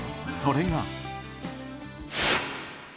それが。